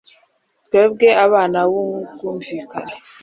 twebwe abana b'ubwumvikane